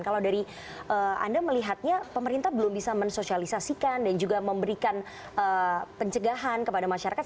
kalau dari anda melihatnya pemerintah belum bisa mensosialisasikan dan juga memberikan pencegahan kepada masyarakat